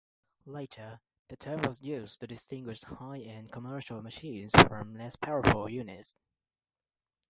Later, the term was used to distinguish high-end commercial machines from less powerful units.